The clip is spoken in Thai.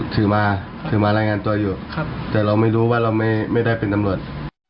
คือมาถือมารายงานตัวอยู่แต่เราไม่รู้ว่าเราไม่ได้เป็นตำรวจ